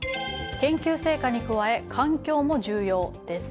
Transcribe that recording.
研究成果に加え環境も重要です。